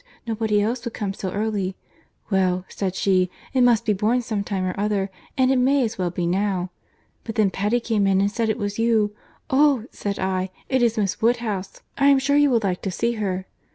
Nobody else would come so early.' 'Well,' said she, 'it must be borne some time or other, and it may as well be now.' But then Patty came in, and said it was you. 'Oh!' said I, 'it is Miss Woodhouse: I am sure you will like to see her.